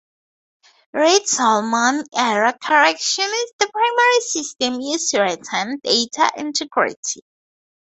Reed-Solomon error correction is the primary system used to retain data integrity.